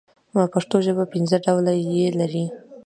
پښتو ژبه پنځه ډوله ي لري.